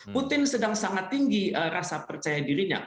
putin sedang sangat tinggi rasa percaya dirinya